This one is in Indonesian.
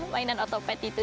mainan otopad gitu